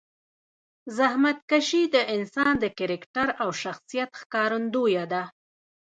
زحمتکشي د انسان د کرکټر او شخصیت ښکارندویه ده.